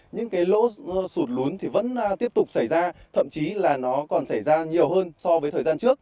những cái lỗ sụt lún thì vẫn tiếp tục xảy ra thậm chí là nó còn xảy ra nhiều hơn so với thời gian trước